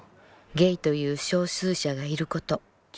「ゲイという少数者がいること。